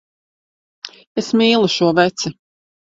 Es mīlu šo veci.